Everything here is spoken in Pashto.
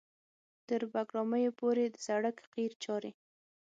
تر بګرامیو پورې د سړک قیر چارې